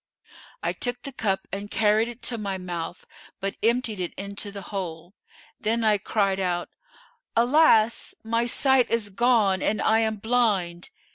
I took the cup and carried it to my mouth but emptied it into the hole; then I cried out, 'Alas! my sight is gone and I am blind!